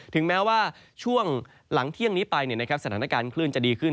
ถึงแม้ว่าช่วงหลังเที่ยงนี้ไปสถานการณ์คลื่นจะดีขึ้น